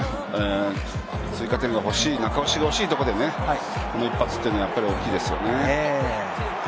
追加点が欲しい、中押しが欲しいところでこの一発というのは大きいですよね。